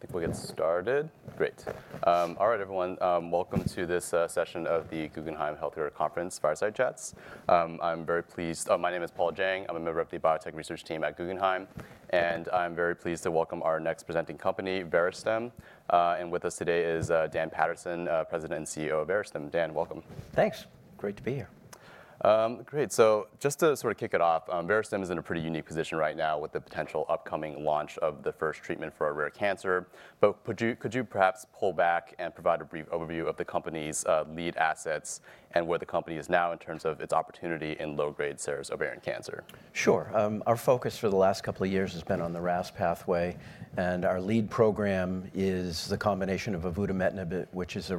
I think we're getting started. Great. All right, everyone, welcome to this session of the Guggenheim Healthcare Conference, fireside chats. I'm very pleased. Oh, my name is Paul Jeng. I'm a member of the Biotech Research team at Guggenheim. And I'm very pleased to welcome our next presenting company, Verastem. And with us today is Dan Paterson, President and CEO of Verastem. Dan, welcome. Thanks. Great to be here. Great. So just to sort of kick it off, Verastem is in a pretty unique position right now with the potential upcoming launch of the first treatment for a rare cancer. But could you perhaps pull back and provide a brief overview of the company's lead assets and where the company is now in terms of its opportunity in low-grade serous ovarian cancer? Sure. Our focus for the last couple of years has been on the RAS pathway, and our lead program is the combination of avutometinib, which is a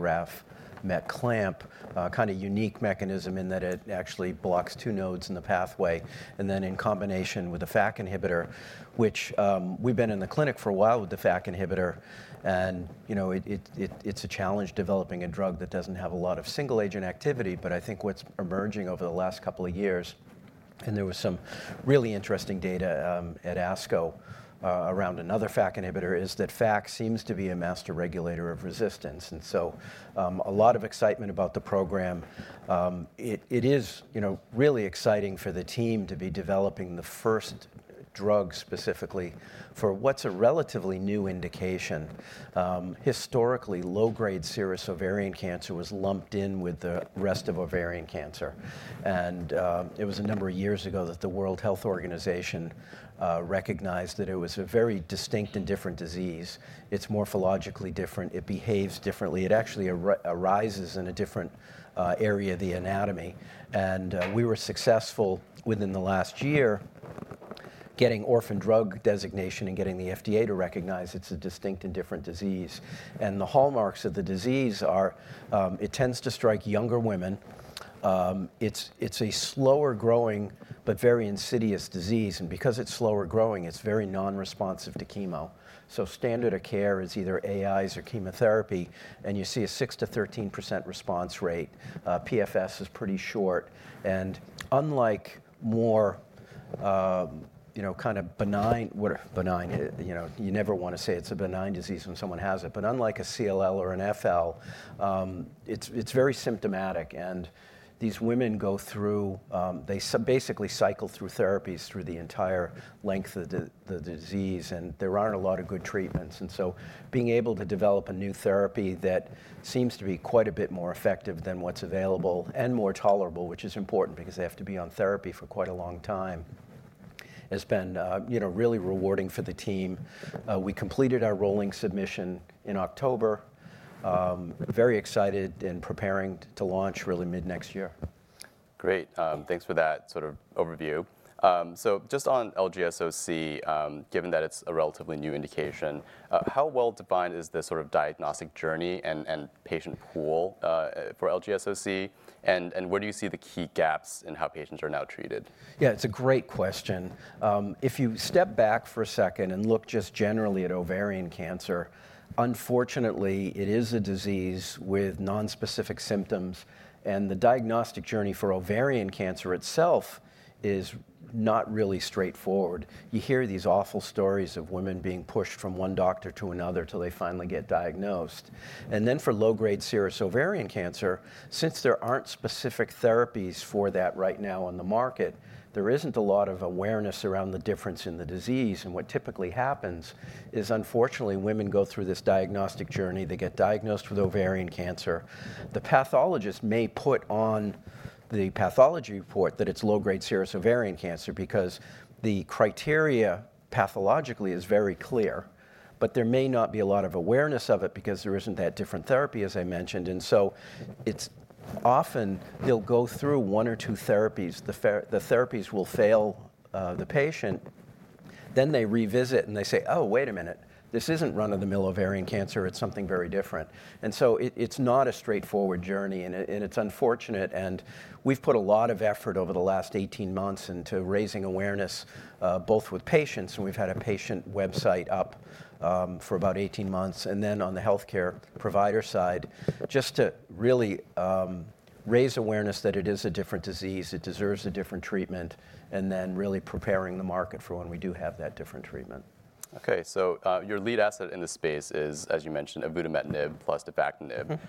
RAF/MEK clamp, kind of unique mechanism in that it actually blocks two nodes in the pathway, and then in combination with a FAK inhibitor, which we've been in the clinic for a while with the FAK inhibitor, and it's a challenge developing a drug that doesn't have a lot of single-agent activity, but I think what's emerging over the last couple of years, and there was some really interesting data at ASCO around another FAK inhibitor, is that FAK seems to be a master regulator of resistance, and so a lot of excitement about the program. It is really exciting for the team to be developing the first drug specifically for what's a relatively new indication. Historically, low-grade serous ovarian cancer was lumped in with the rest of ovarian cancer, and it was a number of years ago that the World Health Organization recognized that it was a very distinct and different disease. It's morphologically different. It behaves differently. It actually arises in a different area, the anatomy, and we were successful within the last year getting Orphan Drug Designation and getting the FDA to recognize it's a distinct and different disease, and the hallmarks of the disease are it tends to strike younger women. It's a slower-growing but very insidious disease, and because it's slower-growing, it's very non-responsive to chemo, so standard of care is either AIs or chemotherapy, and you see a 6%-13% response rate. PFS is pretty short, and unlike more kind of benign, what are benign? You never want to say it's a benign disease when someone has it. Unlike a CLL or an FL, it's very symptomatic. These women go through, they basically cycle through therapies through the entire length of the disease. There aren't a lot of good treatments. Being able to develop a new therapy that seems to be quite a bit more effective than what's available and more tolerable, which is important because they have to be on therapy for quite a long time, has been really rewarding for the team. We completed our rolling submission in October. Very excited and preparing to launch really mid next year. Great. Thanks for that sort of overview. So just on LGSOC, given that it's a relatively new indication, how well-defined is the sort of diagnostic journey and patient pool for LGSOC? And where do you see the key gaps in how patients are now treated? Yeah, it's a great question. If you step back for a second and look just generally at ovarian cancer, unfortunately, it is a disease with nonspecific symptoms. And the diagnostic journey for ovarian cancer itself is not really straightforward. You hear these awful stories of women being pushed from one doctor to another till they finally get diagnosed. And then for low-grade serous ovarian cancer, since there aren't specific therapies for that right now on the market, there isn't a lot of awareness around the difference in the disease. And what typically happens is, unfortunately, women go through this diagnostic journey. They get diagnosed with ovarian cancer. The pathologist may put on the pathology report that it's low-grade serous ovarian cancer because the criteria pathologically is very clear. But there may not be a lot of awareness of it because there isn't that different therapy, as I mentioned. Often, they'll go through one or two therapies. The therapies will fail the patient. Then they revisit. They say, oh, wait a minute. This isn't run-of-the-mill ovarian cancer. It's something very different. So it's not a straightforward journey. It's unfortunate. We've put a lot of effort over the last 18 months into raising awareness both with patients. We've had a patient website up for about 18 months. Then on the health care provider side, just to really raise awareness that it is a different disease. It deserves a different treatment. Then really preparing the market for when we do have that different treatment. OK. So your lead asset in the space is, as you mentioned, avutometinib plus defactinib.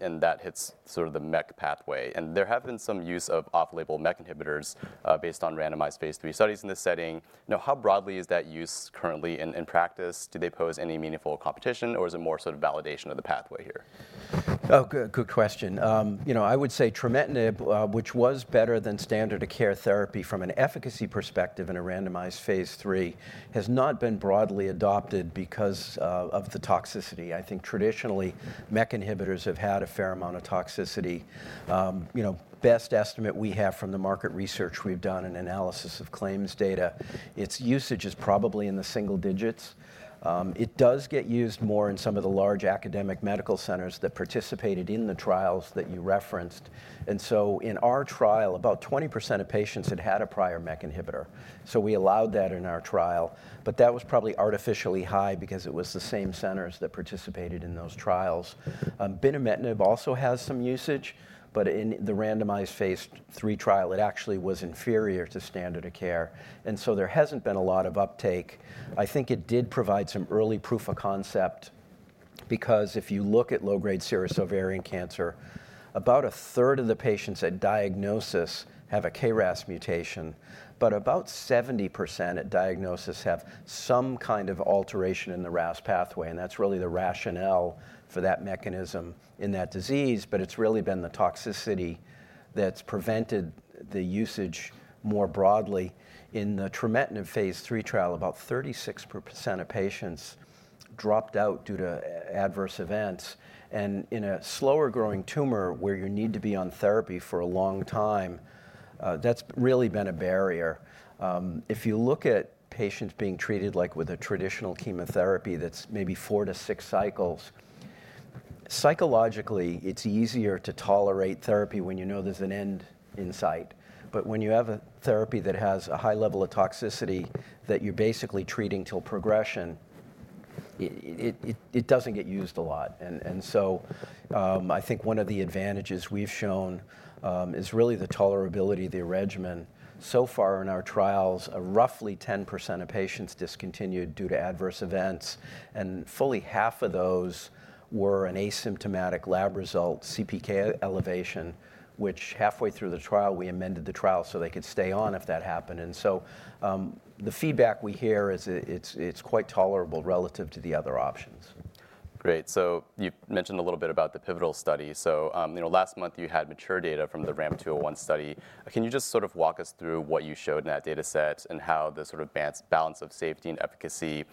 And that hits sort of the MEK pathway. And there have been some use of off-label MEK inhibitors based on randomized phase III studies in this setting. How broadly is that used currently in practice? Do they pose any meaningful competition? Or is it more sort of validation of the pathway here? Oh, good question. I would say trametinib, which was better than standard of care therapy from an efficacy perspective in a randomized phase III, has not been broadly adopted because of the toxicity. I think traditionally, MEK inhibitors have had a fair amount of toxicity. Best estimate we have from the market research we've done and analysis of claims data, its usage is probably in the single digits. It does get used more in some of the large academic medical centers that participated in the trials that you referenced. And so in our trial, about 20% of patients had had a prior MEK inhibitor. So we allowed that in our trial. But that was probably artificially high because it was the same centers that participated in those trials. Binimetinib also has some usage. But in the randomized phase III trial, it actually was inferior to standard of care. And so there hasn't been a lot of uptake. I think it did provide some early proof of concept because if you look at low-grade serous ovarian cancer, about a third of the patients at diagnosis have a KRAS mutation. But about 70% at diagnosis have some kind of alteration in the RAS pathway. And that's really the rationale for that mechanism in that disease. But it's really been the toxicity that's prevented the usage more broadly. In the trametinib phase III trial, about 36% of patients dropped out due to adverse events. And in a slower-growing tumor where you need to be on therapy for a long time, that's really been a barrier. If you look at patients being treated like with a traditional chemotherapy that's maybe four to six cycles, psychologically, it's easier to tolerate therapy when you know there's an end in sight. But when you have a therapy that has a high level of toxicity that you're basically treating till progression, it doesn't get used a lot. And so I think one of the advantages we've shown is really the tolerability of the regimen. So far in our trials, roughly 10% of patients discontinued due to adverse events. And fully half of those were an asymptomatic lab result, CPK elevation, which halfway through the trial, we amended the trial so they could stay on if that happened. And so the feedback we hear is it's quite tolerable relative to the other options. Great. So you mentioned a little bit about the pivotal study. So last month, you had mature data from the RAMP 201 study. Can you just sort of walk us through what you showed in that data set and how the sort of balance of safety and efficacy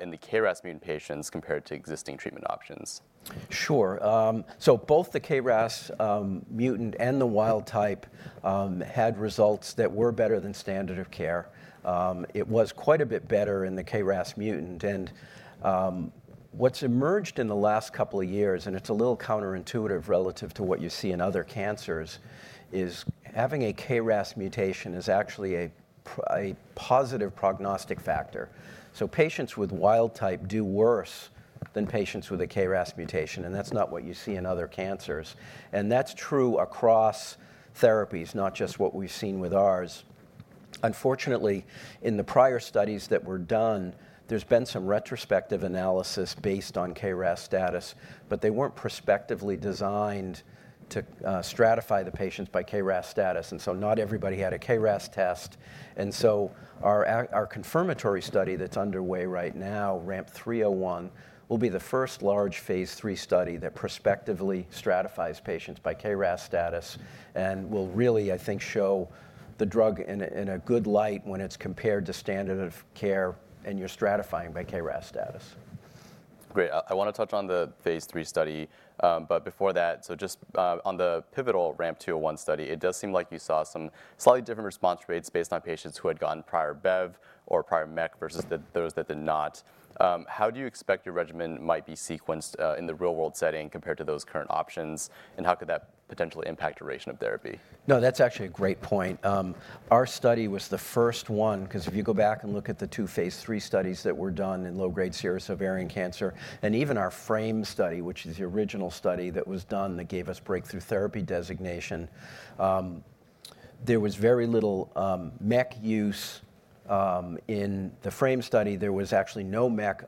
in the KRAS mutant patients compared to existing treatment options? Sure. So both the KRAS mutant and the wild type had results that were better than standard of care. It was quite a bit better in the KRAS mutant. And what's emerged in the last couple of years, and it's a little counterintuitive relative to what you see in other cancers, is having a KRAS mutation is actually a positive prognostic factor. So patients with wild type do worse than patients with a KRAS mutation. And that's not what you see in other cancers. And that's true across therapies, not just what we've seen with ours. Unfortunately, in the prior studies that were done, there's been some retrospective analysis based on KRAS status. But they weren't prospectively designed to stratify the patients by KRAS status. And so not everybody had a KRAS test. And so our confirmatory study that's underway right now, RAMP 301, will be the first large phase III study that prospectively stratifies patients by KRAS status. And will really, I think, show the drug in a good light when it's compared to standard of care and you're stratifying by KRAS status. Great. I want to touch on the phase III study. But before that, so just on the pivotal RAMP 201 study, it does seem like you saw some slightly different response rates based on patients who had gotten prior Bev or prior MEK versus those that did not. How do you expect your regimen might be sequenced in the real-world setting compared to those current options? And how could that potentially impact duration of therapy? No, that's actually a great point. Our study was the first one because if you go back and look at the two phase III studies that were done in low-grade serous ovarian cancer and even our FRAME study, which is the original study that was done that gave us Breakthrough Therapy Designation, there was very little MEK use in the FRAME study. There was actually no MEK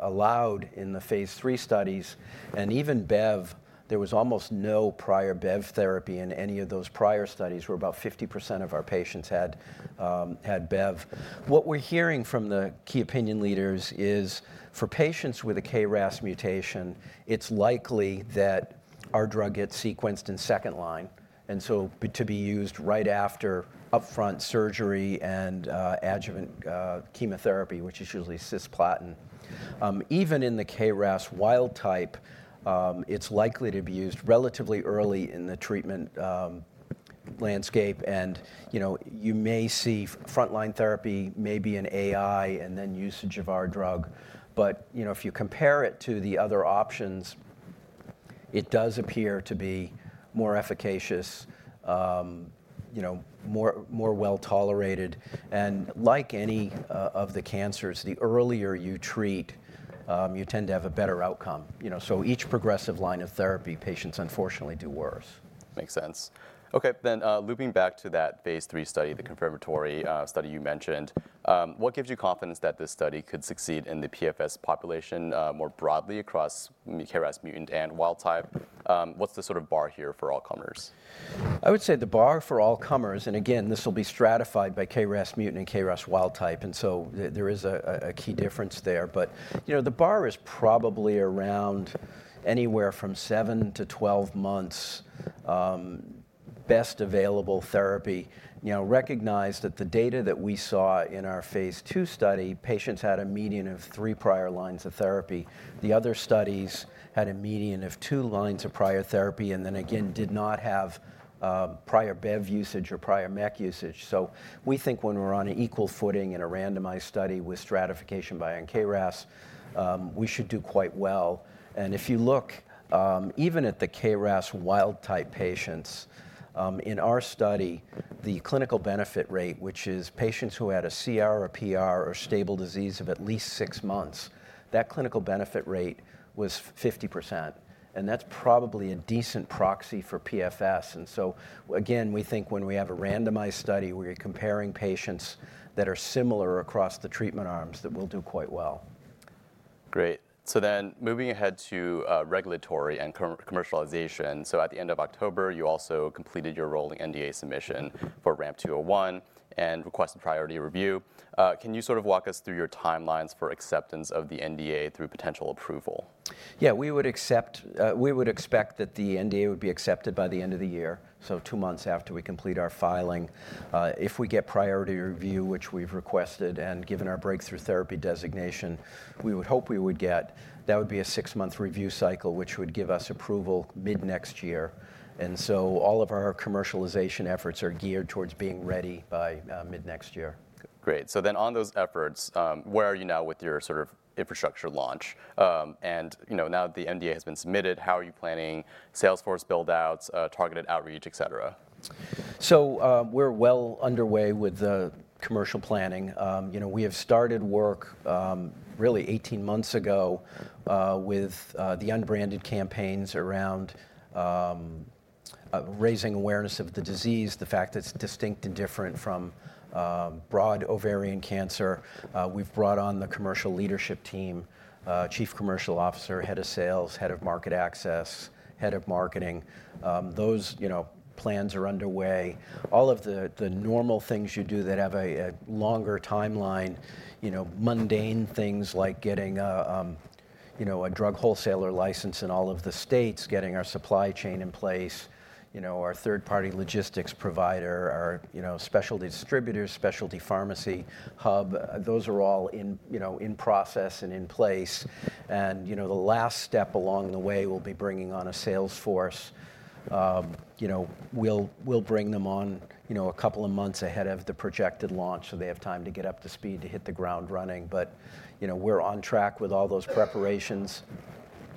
allowed in the phase III studies. And even Bev, there was almost no prior Bev therapy in any of those prior studies where about 50% of our patients had Bev. What we're hearing from the key opinion leaders is for patients with a KRAS mutation, it's likely that our drug gets sequenced in second line and so to be used right after upfront surgery and adjuvant chemotherapy, which is usually cisplatin. Even in the KRAS wild type, it's likely to be used relatively early in the treatment landscape, and you may see frontline therapy, maybe an AI, and then usage of our drug, but if you compare it to the other options, it does appear to be more efficacious, more well-tolerated, and like any of the cancers, the earlier you treat, you tend to have a better outcome, so each progressive line of therapy, patients unfortunately do worse. Makes sense. OK, then looping back to that phase III study, the confirmatory study you mentioned, what gives you confidence that this study could succeed in the PFS population more broadly across KRAS mutant and wild type? What's the sort of bar here for all comers? I would say the bar for all comers, and again, this will be stratified by KRAS mutant and KRAS wild type, and so there is a key difference there. But the bar is probably around anywhere from 7 months-12 months best available therapy. Recognize that the data that we saw in our phase II study, patients had a median of three prior lines of therapy. The other studies had a median of two lines of prior therapy and then again did not have prior Bev usage or prior MEK usage. So we think when we're on an equal footing in a randomized study with stratification by KRAS, we should do quite well. And if you look even at the KRAS wild-type patients in our study, the clinical benefit rate, which is patients who had a CR or PR or stable disease of at least six months, that clinical benefit rate was 50%. And that's probably a decent proxy for PFS. And so again, we think when we have a randomized study, we're comparing patients that are similar across the treatment arms that will do quite well. Great. So then moving ahead to regulatory and commercialization. So at the end of October, you also completed your rolling NDA submission for RAMP201 and requested Priority Review. Can you sort of walk us through your timelines for acceptance of the NDA through potential approval? Yeah, we would expect that the NDA would be accepted by the end of the year, so two months after we complete our filing. If we get Priority Review, which we've requested and given our breakthrough therapy designation, we would hope we would get. That would be a six-month review cycle, which would give us approval mid next year. And so all of our commercialization efforts are geared towards being ready by mid next year. Great. So then on those efforts, where are you now with your sort of infrastructure launch? And now that the NDA has been submitted, how are you planning sales force buildouts, targeted outreach, et cetera? So we're well underway with the commercial planning. We have started work really 18 months ago with the unbranded campaigns around raising awareness of the disease, the fact that it's distinct and different from broad ovarian cancer. We've brought on the commercial leadership team: Chief Commercial Officer, Head of Sales, Head of Market Access, Head of Marketing. Those plans are underway. All of the normal things you do that have a longer timeline, mundane things like getting a drug wholesaler license in all of the states, getting our supply chain in place, our third-party logistics provider, our specialty distributor, specialty pharmacy hub, those are all in process and in place. And the last step along the way, we'll be bringing on a sales force. We'll bring them on a couple of months ahead of the projected launch so they have time to get up to speed to hit the ground running. But we're on track with all those preparations.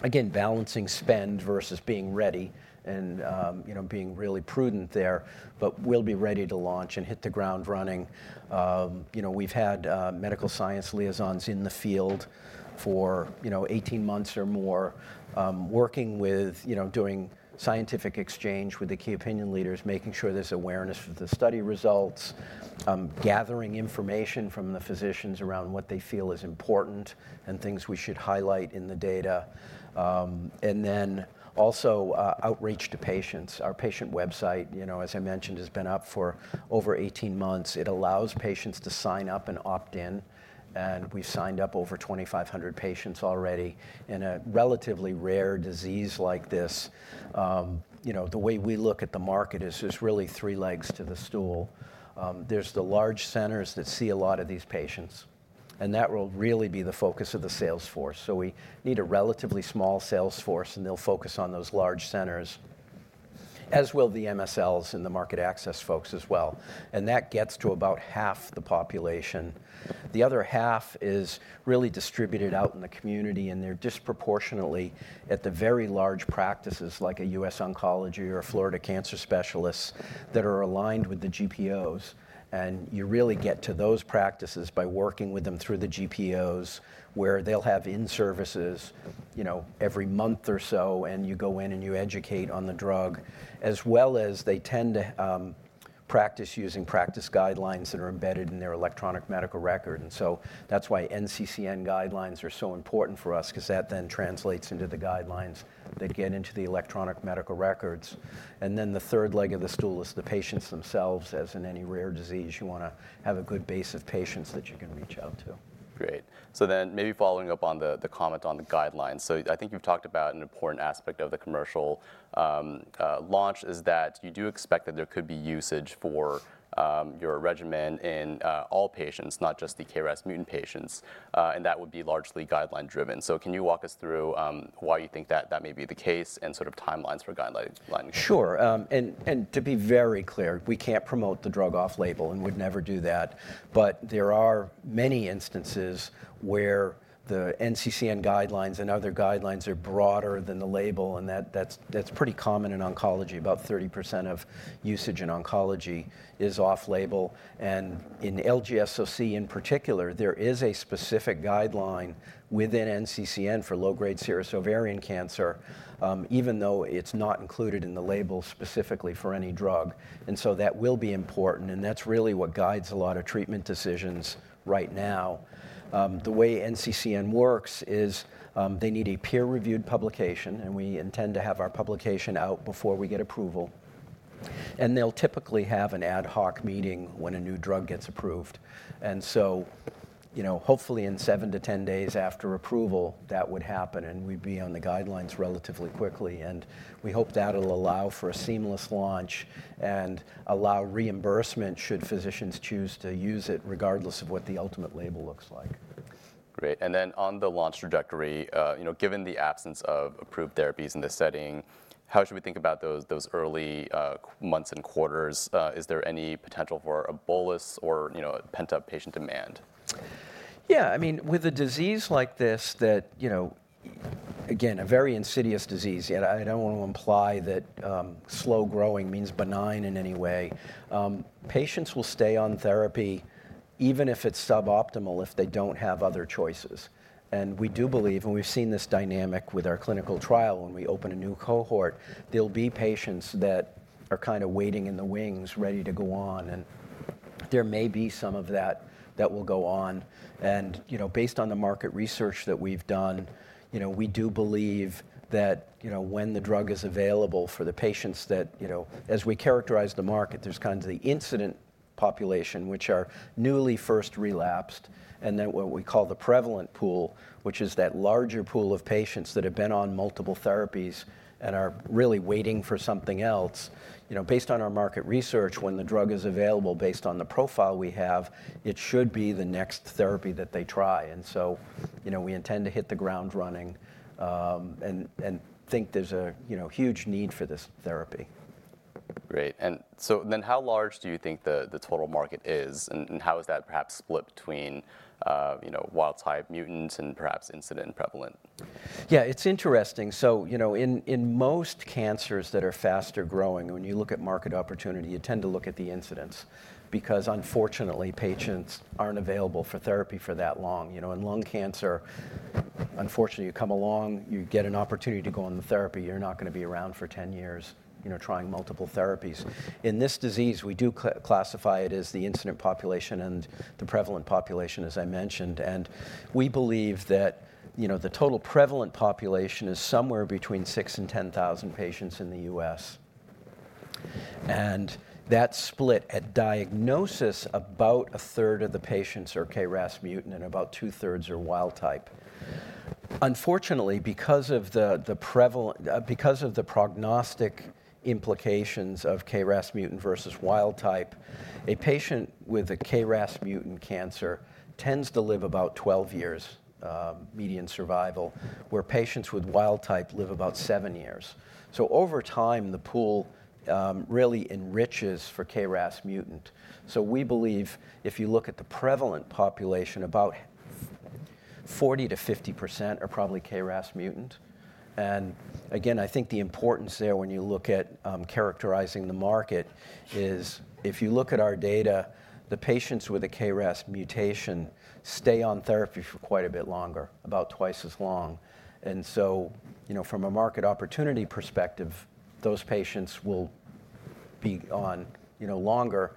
Again, balancing spend versus being ready and being really prudent there. But we'll be ready to launch and hit the ground running. We've had medical science liaisons in the field for 18 months or more working with doing scientific exchange with the key opinion leaders, making sure there's awareness of the study results, gathering information from the physicians around what they feel is important and things we should highlight in the data. And then also outreach to patients. Our patient website, as I mentioned, has been up for over 18 months. It allows patients to sign up and opt in. And we've signed up over 2,500 patients already. In a relatively rare disease like this, the way we look at the market is there's really three legs to the stool. There's the large centers that see a lot of these patients. And that will really be the focus of the sales force. So we need a relatively small sales force. And they'll focus on those large centers, as will the MSLs and the market access folks as well. And that gets to about half the population. The other half is really distributed out in the community. And they're disproportionately at the very large practices like U.S. Oncology or Florida Cancer Specialists that are aligned with the GPOs. And you really get to those practices by working with them through the GPOs where they'll have in-services every month or so. And you go in and you educate on the drug, as well as they tend to practice using practice guidelines that are embedded in their electronic medical record. And so that's why NCCN guidelines are so important for us because that then translates into the guidelines that get into the electronic medical records. And then the third leg of the stool is the patients themselves. As in any rare disease, you want to have a good base of patients that you can reach out to. Great. So then maybe following up on the comment on the guidelines, so I think you've talked about an important aspect of the commercial launch is that you do expect that there could be usage for your regimen in all patients, not just the KRAS mutant patients. And that would be largely guideline-driven. So can you walk us through why you think that that may be the case and sort of timelines for guidelines? Sure. And to be very clear, we can't promote the drug off-label and would never do that. But there are many instances where the NCCN guidelines and other guidelines are broader than the label. And that's pretty common in oncology. About 30% of usage in oncology is off-label. And in LGSOC in particular, there is a specific guideline within NCCN for low-grade serous ovarian cancer, even though it's not included in the label specifically for any drug. And so that will be important. And that's really what guides a lot of treatment decisions right now. The way NCCN works is they need a peer-reviewed publication. And we intend to have our publication out before we get approval. And they'll typically have an ad hoc meeting when a new drug gets approved. And so hopefully in 7 days-10 days after approval, that would happen. We'd be on the guidelines relatively quickly. We hope that'll allow for a seamless launch and allow reimbursement should physicians choose to use it regardless of what the ultimate label looks like. Great. And then on the launch trajectory, given the absence of approved therapies in this setting, how should we think about those early months and quarters? Is there any potential for a bolus or pent-up patient demand? Yeah, I mean, with a disease like this that, again, a very insidious disease, yet I don't want to imply that slow growing means benign in any way. Patients will stay on therapy even if it's suboptimal if they don't have other choices. And we do believe, and we've seen this dynamic with our clinical trial when we open a new cohort, there'll be patients that are kind of waiting in the wings ready to go on. And there may be some of that that will go on. And based on the market research that we've done, we do believe that when the drug is available for the patients that, as we characterize the market, there's kind of the incident population, which are newly first relapsed. And then what we call the prevalent pool, which is that larger pool of patients that have been on multiple therapies and are really waiting for something else. Based on our market research, when the drug is available based on the profile we have, it should be the next therapy that they try. And so we intend to hit the ground running and think there's a huge need for this therapy. Great. And so then how large do you think the total market is? And how is that perhaps split between wild-type mutants and perhaps incidence and prevalence? Yeah, it's interesting. So in most cancers that are faster growing, when you look at market opportunity, you tend to look at the incidence because unfortunately, patients aren't available for therapy for that long. In lung cancer, unfortunately, you come along, you get an opportunity to go on the therapy. You're not going to be around for 10 years trying multiple therapies. In this disease, we do classify it as the incident population and the prevalent population, as I mentioned. And we believe that the total prevalent population is somewhere between 6,000 and 10,000 patients in the U.S. And that's split at diagnosis about a third of the patients are KRAS mutant and about two-thirds are wild type. Unfortunately, because of the prognostic implications of KRAS mutant versus wild type, a patient with a KRAS mutant cancer tends to live about 12 years median survival, where patients with wild type live about seven years, so over time, the pool really enriches for KRAS mutant, so we believe if you look at the prevalent population, about 40%-50% are probably KRAS mutant. And again, I think the importance there when you look at characterizing the market is if you look at our data, the patients with a KRAS mutation stay on therapy for quite a bit longer, about twice as long, and so from a market opportunity perspective, those patients will be on longer,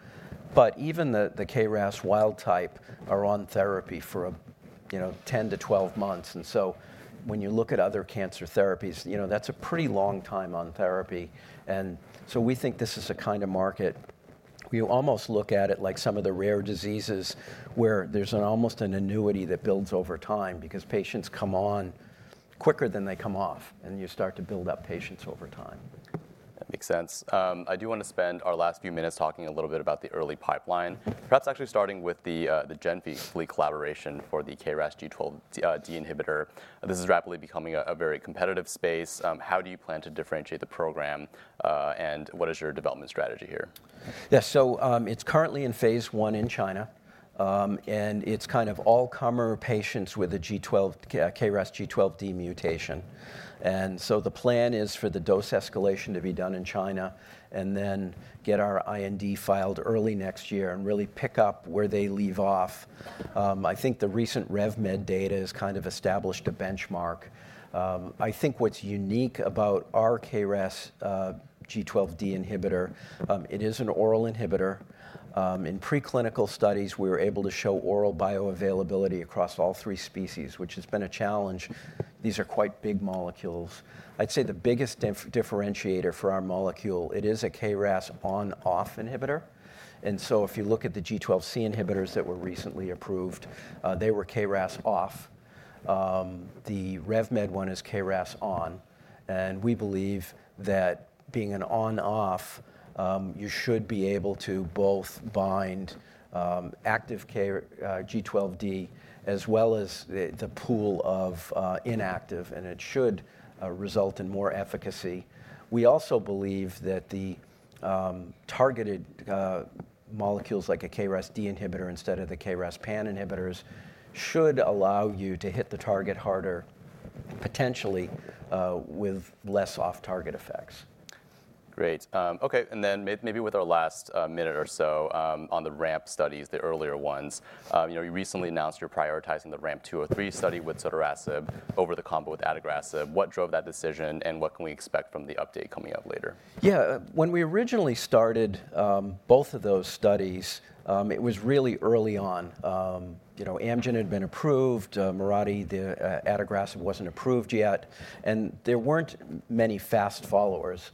but even the KRAS wild type are on therapy for 10-12 months, and so when you look at other cancer therapies, that's a pretty long time on therapy. We think this is a kind of market. We almost look at it like some of the rare diseases where there's almost an annuity that builds over time because patients come on quicker than they come off. You start to build up patients over time. That makes sense. I do want to spend our last few minutes talking a little bit about the early pipeline, perhaps actually starting with the GenFleet collaboration for the KRAS G12D inhibitor. This is rapidly becoming a very competitive space. How do you plan to differentiate the program? And what is your development strategy here? Yeah, so it's currently in phase I in China. And it's kind of all-comer patients with a KRAS G12D mutation. And so the plan is for the dose escalation to be done in China and then get our IND filed early next year and really pick up where they leave off. I think the recent RevMed data has kind of established a benchmark. I think what's unique about our KRAS G12D inhibitor, it is an oral inhibitor. In preclinical studies, we were able to show oral bioavailability across all three species, which has been a challenge. These are quite big molecules. I'd say the biggest differentiator for our molecule, it is a KRAS on-off inhibitor. And so if you look at the G12C inhibitors that were recently approved, they were KRAS off. The RevMed one is KRAS on. We believe that being an on-off, you should be able to both bind active G12D as well as the pool of inactive. It should result in more efficacy. We also believe that the targeted molecules like a KRAS G12D inhibitor instead of the KRAS pan inhibitors should allow you to hit the target harder potentially with less off-target effects. Great. OK, and then maybe with our last minute or so on the RAMP studies, the earlier ones, you recently announced you're prioritizing the RAMP 203 study with sotorasib over the combo with adagrasib. What drove that decision? And what can we expect from the update coming up later? Yeah, when we originally started both of those studies, it was really early on. Amgen had been approved. Mirati, the adagrasib wasn't approved yet. And there weren't many fast followers.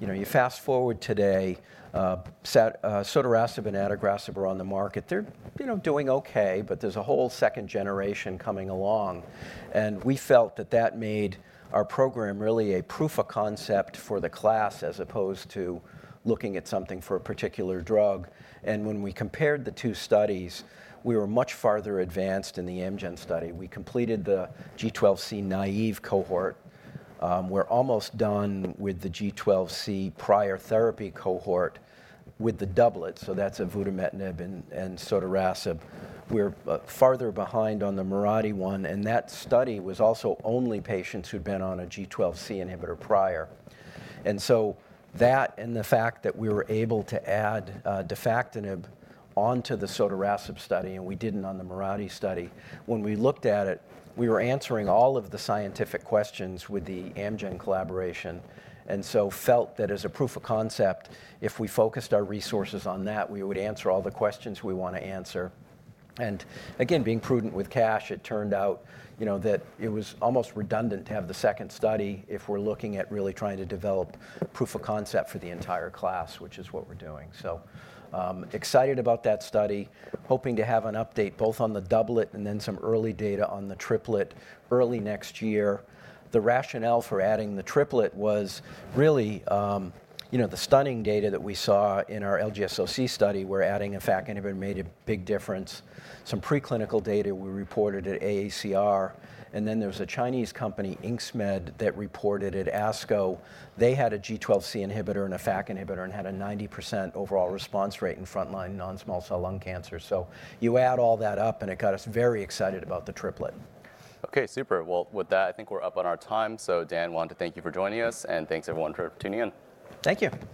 You fast forward today, sotorasib and adagrasib are on the market. They're doing ok. But there's a whole second generation coming along. And we felt that that made our program really a proof of concept for the class as opposed to looking at something for a particular drug. And when we compared the two studies, we were much farther advanced in the Amgen study. We completed the G12C naive cohort. We're almost done with the G12C prior therapy cohort with the doublet. So that's avutometinib and sotorasib. We're farther behind on the Mirati one. And that study was also only patients who'd been on a G12C inhibitor prior. And so that and the fact that we were able to add defactinib onto the sotorasib study, and we didn't on the Mirati study, when we looked at it, we were answering all of the scientific questions with the Amgen collaboration. And so felt that as a proof of concept, if we focused our resources on that, we would answer all the questions we want to answer. And again, being prudent with cash, it turned out that it was almost redundant to have the second study if we're looking at really trying to develop proof of concept for the entire class, which is what we're doing. So excited about that study, hoping to have an update both on the doublet and then some early data on the triplet early next year. The rationale for adding the triplet was really the stunning data that we saw in our LGSOC study where adding a FAK inhibitor made a big difference, some preclinical data we reported at AACR, and then there was a Chinese company, InxMed, that reported at ASCO. They had a G12C inhibitor and a FAK inhibitor and had a 90% overall response rate in frontline non-small cell lung cancer, so you add all that up, and it got us very excited about the triplet. OK, super. Well, with that, I think we're up on our time. So, Dan, wanted to thank you for joining us. And thanks, everyone, for tuning in. Thank you.